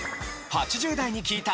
８０代に聞いた！